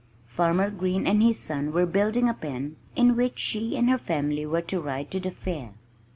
Farmer Green and his son were building a pen in which she and her family were to ride to the fair!